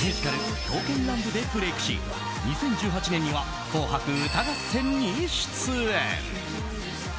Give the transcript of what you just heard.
ミュージカル「刀剣乱舞」でブレークし２０１８年には「紅白歌合戦」に出演。